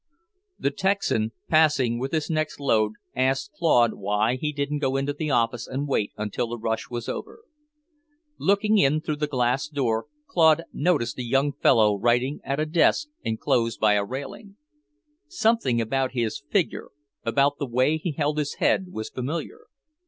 The Texan, passing with his next load, asked Claude why he didn't go into the office and wait until the rush was over. Looking in through the glass door, Claude noticed a young man writing at a desk enclosed by a railing. Something about his figure, about the way he held his head, was familiar.